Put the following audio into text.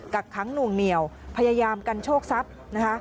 กักขังหน่วงเหนียวพยายามกันโชคทรัพย์นะคะ